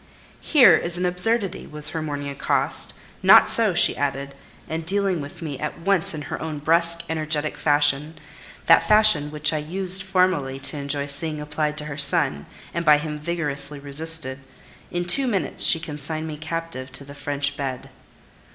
"Here is an absurdity!" was her morning accost. "Not so," she added, and dealing with me at once in her own brusque, energetic fashion—that fashion which I used formerly to enjoy seeing applied to her son, and by him vigorously resisted—in two minutes she consigned me captive to the French bed.